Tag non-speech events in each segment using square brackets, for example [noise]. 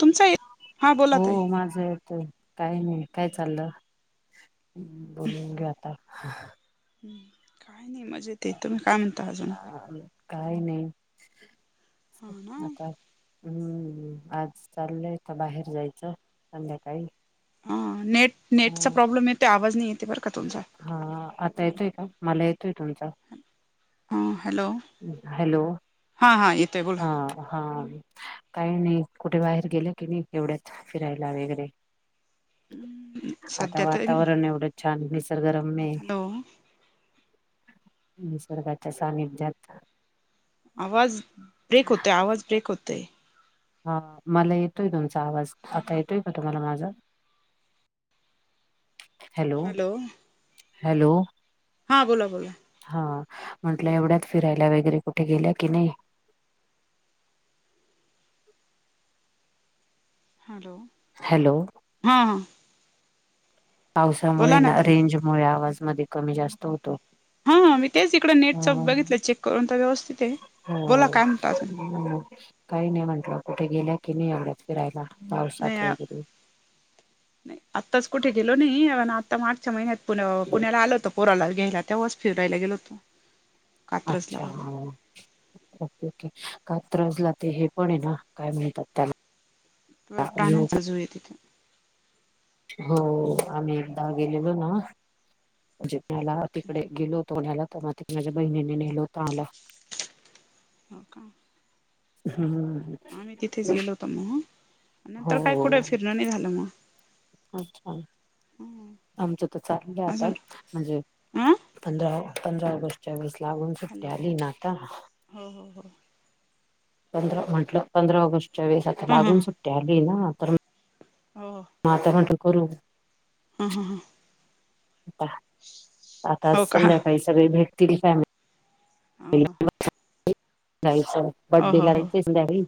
तुमच आहे हो माझं आहे ते, काही नाही काय चाललं? बोलून घे आता काय नाही मजेत आहे. तुम्ही काय म्हणता अजून? अह काही नाही हा ना आता हम्म आज चाललंय बाहेर जायचं संध्याकाळी. हा, नेट नेटचा हा प्रॉब्लेम येते आवाज नाही येते बरं का तुमचा हा आता येतोय का? मला येतोय तुमचा. हां हॅलो. हॅलो हां हां येतोय बोला हां हां. काही नाही कुठे बाहेर गेले की नाही एवढ्यात फिरायला वगैरे. आता सध्या तर हॅलो वातावरण एवढं छान निसर्गरम्य आहे, निसर्गाच्या सानिध्यात आवाज ब्रेक होतोय आवाज ब्रेक होतय. हा मला येतोय तुमचा आवाज. आता येतोय का तुम्हाला माझा हॅलो हॅलो. हां बोला बोला. हा म्हंटलं एवढ्यात फिरायला वगैरे कुठे गेल्या की नाही. हॅलो. हॅलो. हा. पावसामुळे ना रेंजमुळे आवाजमध्ये कमी जास्त होतो. हम्म मी तेच इकड नेटच हम्म बघितलं चेक करून तर व्यवस्थित आहे. हो बोला काय म्हणता अजून हम्म काही नाही म्हटलं कुठे गेल्या की नाही एवढ्यात फिरायला पावसात नाही वगैरे? नाही आत्ताच कुठे गेलो नाही आत्ता मार्चच्या महिन्यात पुण्या पुण्याला आलो होतो पोराला घ्यायला तेव्हाच फिरायला गेलो होतो. कात्रजला अच्छा हा. वगैरे ओके ओके कात्रजला ते हे पण आहे ना काय म्हणतात त्याला हम्म व्ह्यू. प्राण्यांचा झू आहे तिथं हो आम्ही एकदा गेलेलो ना म्हणजे मला तिकडे गेलो तोन्याला त म माझ्या बहिणीने नेल होत आला हो का. हम्म. आम्ही तिथेच गेलो होतो मग नंतर हो काय कुठे फिरणं नाही झालं मग. अच्छा. हम्म. आमचं तर चाललय आता म्हणजे अं पंधरा पंधरा ऑगस्ट. यावेळेस लागून सुट्टी हॅलो आली ना आता. [inaudible] हो हो हो पंधरा म्हटलं पंधरा ऑगस्टच्या वेळेस, आता हां हां लागून सुट्टी आली ना, तर हो. आता म्हटलं करू. हां हां हां. आ [inaudible] आता हो का संध्याकाळी हो सगळे भेटतील फॅमिली [unintelligible] जायचं. हो बड्डे हो ला हो जायचंय द्य संध्याकाळी.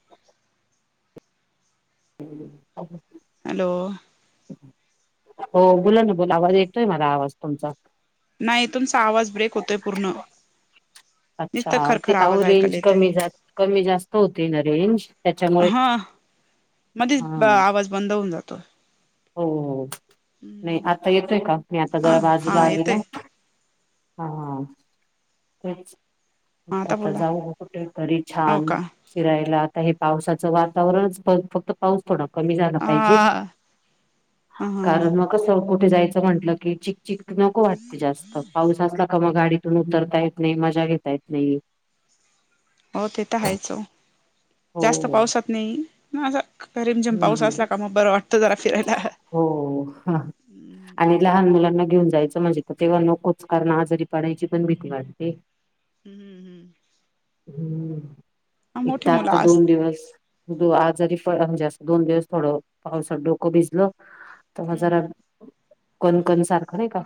[inaudible] हॅलो. हो. बोला ना बोला. आवाज येतोय मला आवाज तुमचा. नाही तुमचा आवाज ब्रेक होतोय पूर्ण. अच्छा! नुसतं ते खरखर अहो आवाज ऐकायला रेंज येतोय कमी जा कमी जास्त होती ना रेंज त्याच्यामुळे हा. हा मध्येच आवाज बंद होऊन जातो. हो हो. नाही आता येतोय का? मी आता हा जरा बाजूला हा आली येतोय ना. हा. तेच हा आता बोला जाऊ कुठे तरी हो छान. का फिरायला. आता हे पावसाचं वातावरणच फक्त, पाऊस थोडा कमी झाला पाहिजे. हा ह कारण मग कस कुठे जायचं म्हटलं, की चिक, चिक नको वाटते जास्त. पाऊस असला मग गाडीतून उतरता येत नाही, मजा घेता येत नाही. हो ते तर आहेच ओ. हो जास्त पावसात नाही, असं रिमझिम पाऊस हम्म असला का, मग बरं वाटतं जरा फिरायला. हो हो हा. आणि लहान मुलांना घेऊन जायचं म्हणजे, तर तेव्हा नकोच कारण आजारी पडायची पण भीती वाटते. [inaudible] हम्म हम हम्म. हम्म. एक तर मोठे मुलं आत्ता आज दोन दिवस त आजारी पडला म्हणजे असं दोन दिवस थोडं पावसात डोकं भिजलं, तेव्हा हम्म जरा कणकण सारखं नाही का?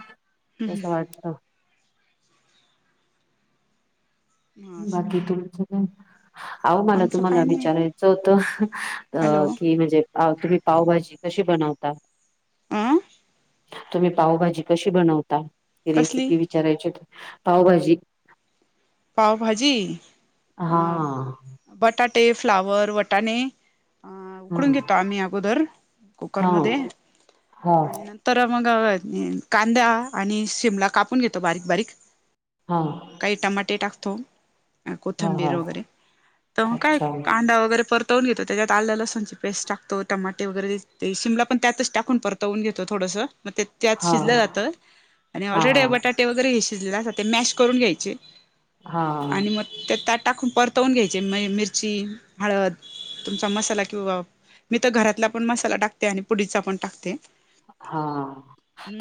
तसं वाटत. हम्म असं बाकी तुमच काय?. अह मला आमचं तुम्हाला काय नाही विचारायचं होतं, हॅलो अ की म्हणजे अ तुम्ही पावभाजी कशी बनवता? अं. तुम्ही पावभाजी कशी बनवता? ही कसली रेसिपी विचारायची होती. पावभाजी पावभाजी. हा अं बटाटे, फ्लावर, वटाणे अ ह उकडून घेतो आम्ही अगोदर, हा कुकरमध्ये हा आणि न तर मग कांदा आणि शिमला कापून घेतो बारीक बारीक. हा काही टमाटे टाकतो. हा हा कोथंबीर वगैरे, तर काय अच्छा कांदा वगैरे परत तवुन घेतो. त्याच्यात आलं लसुणची पेस्ट टाकतो. टमाटे वगैरे ते शिमला पण त्यातच टाकून परतो वून घेतो थोडसं मग ते त्यात हा शिजलं जातं. आणि हा हा ऑलरेडी बटाटे वगैरे हे शिजलेलं असत्या, ते मॅश करून घ्यायचे. हा आणि मग ते त्यात टाकून परतवून घ्यायचे म मिरची हळद तुमचा मसाला, किंवा मी तर घरातला पण मसाला टाकते, आणि पुडीचा पण टाकते. हा.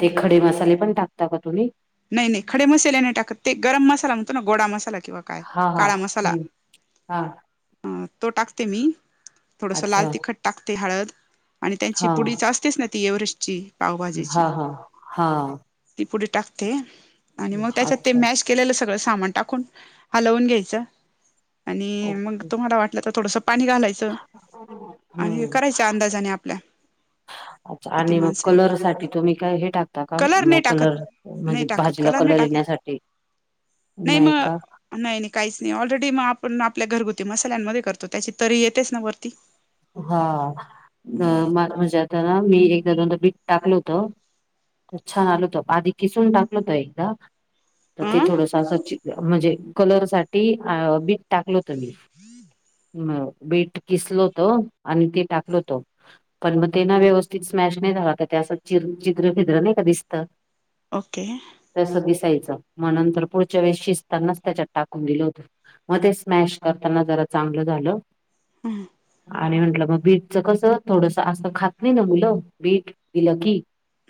ते खडे मसाले पण टाकता का तुम्ही? नाही, नाही खडे मसाले नाही टाकत. ते गरम मसाला म्हणतो ना, गोडा मसाला किंवा काय? हा हा काळा मसाला हम्म हा [inaudible] अ तो टाकते मी. थोडस लाल अच्छा तिखट टाकते. हळद आणि त्यांची हा पुंडी असतेचं नां ती एव्हरेस्टची पावभाजीची हा हा हा ती पुंडी टाकते ते आणि मंग त्यांच्यात ते अच्छा मॅश केलेलं सगळं सामांन टाकूंन हलवूंन घ्यायचं आणि मंग ओके तुम्हांला वाटलं तरं थोडंसं पाणी घालांयचं. असं आणि हम्म करांयच्या अंदाजाने आपल्यां. अच्छा आणि मंग कलर सांठी तुम्हीं कायं हे टाकतांना कां मंग नाही कलर. टाकत नाही म्हणजे टाकत भाजीलां नाही कलर टाकत येण्यांसाठी नाहीं कां. नाहीं नाहीं कांहींचं नाहीं ऑलरेडी मंग आपणं आपल्यां घरंगुती मसाल्यांमध्यें करतो त्यांची तरी येतेचं नां वरती हां म्हणजे आंता नां मी एकदां दोनदां बीटं टाकलं होतं ते छान आंल होतो आंधी किसूंन टाकलं होतो एकदां तरं अ ते थोडंसं असं म्हणजे कलर सांठी बी टाकलं होतं मी बीटं किसलो होतं आणि ते टाकलो होतं पणं मंग ते नां व्यवस्थित स्मॅश नाहीं झालां तरं ते असं चं चिद्र फिद्र नाहीं कां दिसतं ओके तसं दिसायचं मंग नंतर पुढच्यां वेळेसं शिजतांनाचं त्यांच्यात टाकूंन दीलं होतं मध्यें स्मॅश करतांना जरां ते चांगलं झालं हम्मं आणि म्हंटलं मंग बीटचं कसं थोडंसं असं खातं नाहीं नां मुलं बीटं दिलं की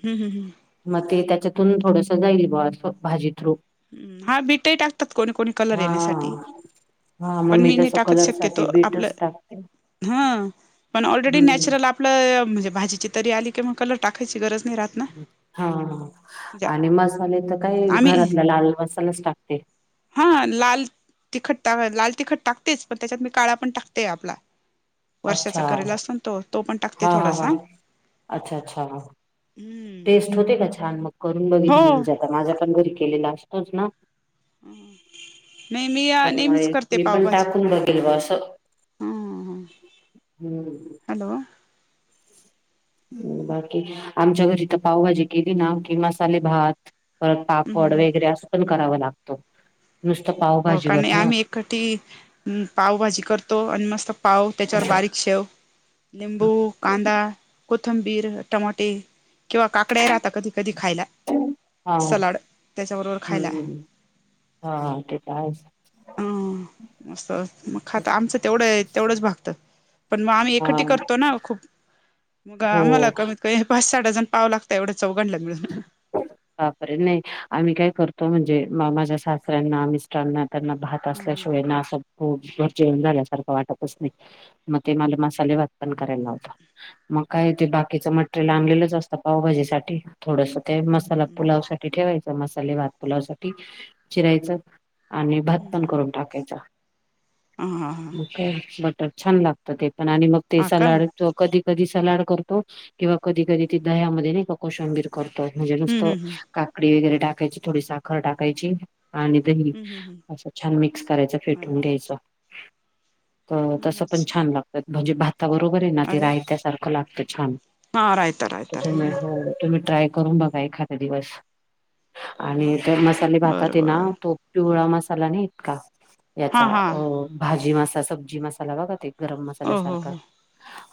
हम्मं हमं हम्मं मंग ते त्यांच्यातून थोडंसं जाईल बां असं भाजी थ्रू हम्मं हां बिटंही टाकतांत कोणी कोणी कलर हा येण्यांसाठी हा मग पणं मी नाहीं तसं टाकतं कलर साठी शक्यतो आपलं बीटच टाकते. हं पणं ऑलरेडी हम्म नॅचरल आं आपलं म्हणजे भाजीची तरी आली कि मंग कलर टाकांयची गरजं नाहीं राहतं हां आणि मसाले तरं कायं घरांतला लांल मसालांच टाकते हां लांल तिखंट टाकतेचं लांल तिखंट टाकतेच पणं त्यांच्यात मी कांळा पणं टाकतेय आपलां अच्छा वर्षाचा करेलां असतो तो तो पणं टाकते हा हा हा थोडांसां टेस्टं होते कां छान मंग करूंन बघित हो म्हणजे आंता माझ्यां पणं घरी केलेला असतोच नां हो तरं मां मी पणं टाकूंन बघेल बां असं ह हम्मं हॅलो बाकी आमच्यां घरी तरं पावभाजी केली नां कि मसाले भातं परंत पापड वगैरें असं पणं करावं लागतो हो कां नाहीं आम्हीं एकटी पावभाजी करतो आणि मस्तं पाव त्यांच्यावर बारीक शेव निबू कांदा कोथंबीर टमाटे किंवा काकड्यां राहतां कधीं कधीं खांयला हा सलांड त्यांच्याबरोबर खांयला हां तेतरं आहेचं हं मस्तं मंग खातं आमचं तेवढं आहे तेवढंच भागतं पणं मंग आम्हीं हा एकटी करतो नां खूंप मगं हो आम्हांला कमीत कमी पांच साह. डजणं पाव लागतो तेवढं चौघां लागतं मिळालं वापरे नाहीं आम्हीं कायं करतो म्हणजे माझ्या सासऱ्यांना मिस्टरांना त्यांना भात ह ह असल्यांशिवाय नां असं हो घरं जेवणं झाल्यांसारखं वाटतंच नाहीं मंग ते मलां मसाले भातं पणं करांयला लावतांत मंग कायं ते बाकीचं मटेरियल आणलेलंच ह असतं पावभाजीसाठी थोडंसं ते त्यांला पुलांव साठी ठेवांयचा मसाले भातं पुलांव साठी चिरायचं आणि भात पण करून टाकायचा. आ हा हा. मग बटर छान लागतं ते पण आणि मग ते हा का सॅल्यड हम्म त कधी कधी सॅल्यड करतो किंवा कधीकधी ती दह्यामध्ये नाय का कोशंबीर करतो. म्हणजे तो हम्म हम्म काकडी वगैरे टाकायची थोडी साखर टाकायची. आणि दही हम्म हम्म हम्म असं छान मिक्स करायचं अरे फेटून घ्यायचं. तर वा तसं पण अच्छा छान लागतात म्हणजे भाता बरोबर आहे ना ते अरे वा रायत्या्यासारखं लागतं छान. हा रायता रायता तर हम्म हो तुम्ही ट्राय करून ब घा एखादं दिवस हो आणि ना तर मसाले बरं भातात ए ना बरं तो पिवळा मसाला नाहीत का याचा हां हां अ भाजी मसा सब्जी मसाला बघाते गरम हो हो मसाल्यासारखा हो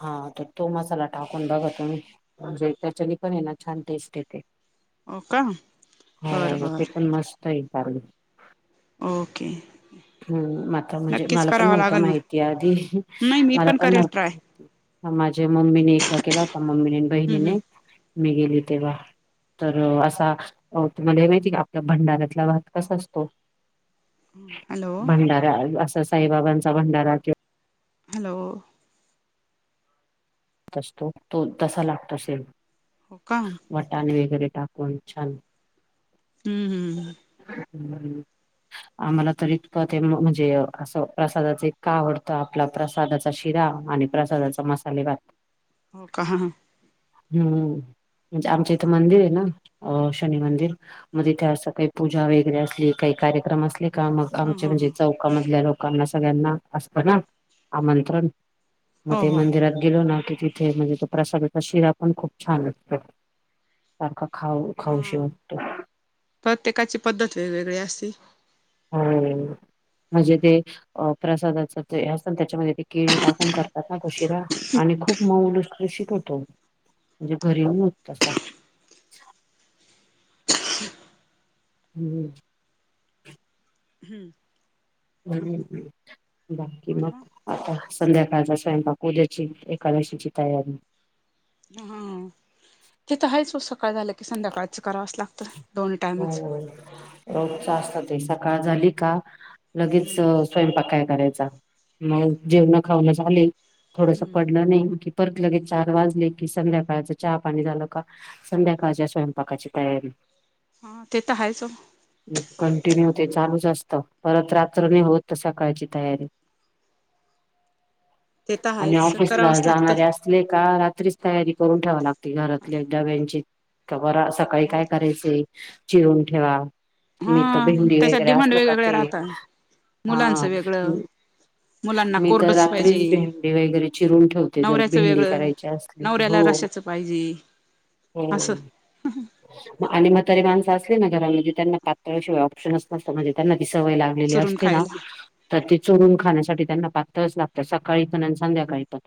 हा तर तो मसाला टाकून बघा तुम्ही. म्हणजे त्याच्यानी पण ए ना छान टेस्ट येते. ओ का? बरं हो ते बरं पण मस्त आहे पार ग. ओके. हो मात्र म्हणजे नक्कीच मला पण करावं नव्हतं लागेल माहिती आधी मग नाही मी मला पण करेल नव्हतं ट्राय माहिती. म -माझ्या मम्मीने एकदा केला होता मम्मीने हम्म बहिणीने हम्म मी गेली तेव्हा. तर असा तुम्हाला हे माहिती आय का आपला भंडाऱ्यातला भात कसा असतो? हॅलो. अ आसा साईबाबांचा भंडारा की हॅलो. असतो तो तसा लागतो सेम. हो का. वटाण वगैरे टाकून छान. हम् हम्. [inaudible] आम्हाला तर इतकं ते म्हणजे असं प्रसादाच का आवडतं आपला प्रसादाचा शिरा आणि प्रसादाचा मसाले भात. हो का. हम्म म्हणजे आमच इथं मंदिर ए ना अ शनी मंदिर. मजे त्यां आस काही पूजा वगैरे असली काही कार्यक्रम असले का मग हां हां आमचे हां म्हणजे हां चौकामधल्या लोकांना सगळ्यांना असतं ना आमंत्रण. म हो ते हो मंदिरात गेलो ना की तिथे म्हणजे तो प्रसादाचा शिरा पण खूप छान असतो. सारखा खाऊ खाऊशी हां वाटतो. प्रत्येकाची पद्धत वेगवेगळी असती. हो म्हणजे ते अ प्रसादाच ते असत त्याच्यामध्ये ते केळी टाकून करत तसा ग शीरा आणि खूप मऊ लुसलुशीत होतो. म्हणजे घरी [inaudible] तसा [inaudible] हम्म. हम्म. बाकी अरे मग? वा आता संध्याकाळचा स्वयंपाक उद्याची एकादशीची तयारी. हा ते त हायच व सकाळ झालं की संध्याकाळचं करावाच लागतं. दोन्ही व्हय टायमच व्हय रोजच असतं ते सकाळ झाली का लगेच हम्म स्वयंपाक काय करायचा मग जेवण खावनं झाली. थोडस हम्म. पडलं नाई,, की परत लगेच चार वाजले की संध्याकाळचं चहा पाणी झालं का. संध्याकाळच्या स्वयंपाकाची तयारी ते तर आहेच ओ. कंटिन्यू ते चालूच असतं, परत रात्र नाही होत सकाळची तयारी ते तर आणि हायच ऑफिसला करावंच लागतं. जाणारे अस असले का रात्रीच तयारी करून ठेवा लागते, घरातल्या डब्यांची सकाळी काय चिरून ठेवा. हा मी तर भेंडी त्याच्यात वगैरे डिमांड असल का वेगवेगळ्या ते,, राहता हा. मुलांचं वेगळं मुलांना मी तर कोरडच पाहिजे रात्रीच भेंडी वगैरे चिरून ठेवते, जर नवऱ्याचं भेंडी वेगळं करायची अस नवऱ्याला रशाचं पाहिजे. हो. असं आणि मातारी माणसं असले ना घरामध्ये त्यांना पातळशिवाय ऑप्शनच नसतं, म्हणजे त्यांना ती सवय लाग लेली चुरून असते ना खायला तर ते चुरून खाण्यासाठी त्यांना पातळचं लागतं, सकाळी पण आणि संध्याकाळी पण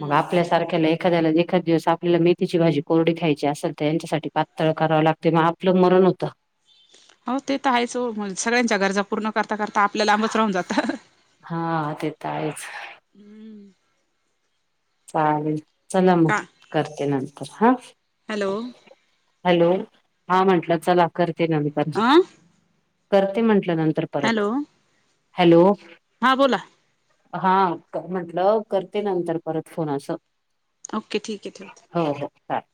मग आपल्यासारख्याला एखाद्याला एखाद दिवस आपल्याला मेथीची भाजी कोरडी खायची असेल तर यांच्यासाठी पात तळ करावी लागते, मग आपलं मरण होतं. हो ते तर आहेच ओ,, सगळ्यांच्या गरजा पूर्ण करता करता आपलं लांबच राहून जातं. हा ते तर आहेच. हम्म चालेल, चला म का करते नंतर हा. हॅलो. हॅलो, हा म्हटलं चला करते नंतर, अ करते म्हटलं नंतर. परत, हॅलो. हां बोला. हा, म्हंटलं करते नंतर परत फोन असं. ओके ठीक आहे ठेवते. हो हो, चालेल.